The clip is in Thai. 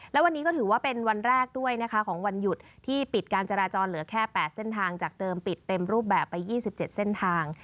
และวันนี้ก็ถือว่าเป็นวันแรกด้วยนะคะของวันหยุดที่ปิดการจราจรเหลือแค่๘เส้นทางจากเดิมปิดเต็มรูปแบบไป๒๗เส้นทาง